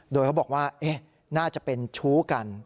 โดยเขาบอกว่าน่าจะเป็นชู้กัน